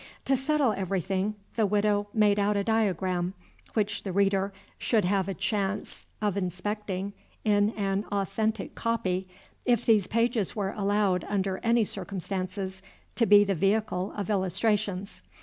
To settle everything the Widow made out a diagram, which the reader should have a chance of inspecting in an authentic copy, if these pages were allowed under any circumstances to be the vehicle of illustrations.